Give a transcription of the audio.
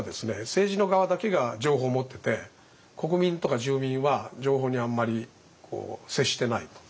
政治の側だけが情報を持ってて国民とか住民は情報にあんまり接してないと。